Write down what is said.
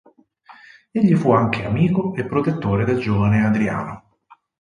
Egli fu anche amico e protettore del giovane Adriano.